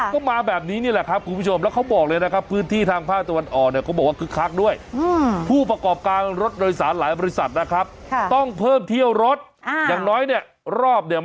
ก็มาแบบนี้นี่แหละค่ะครับแล้วเขาก็บอกเลยนะครับ